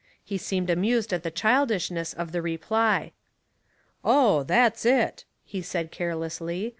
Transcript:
He seemed amused at the childishness of the reply. " Oh, that's it," he said, carelessly.